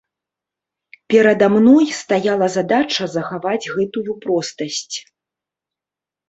Перада мной стаяла задача захаваць гэтую простасць.